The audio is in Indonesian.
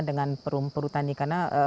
dengan perum perutani karena